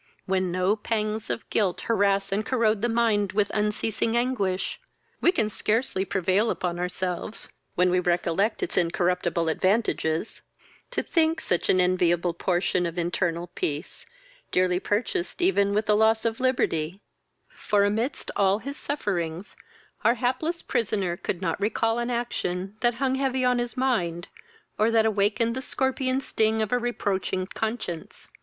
when no pangs of guilt harass and corrode the mind with unceasing anguish! We can scarcely prevail upon ourselves (when we recollect it incorruptible advantages) to think such an enviable portion of internal peace dearly purchased even with the loss of liberty; for, amidst all his sufferings, out hapless prisoner could not recall on action that hung heavy on his mind, or that awakened the scorpion sting of a reproaching conscience.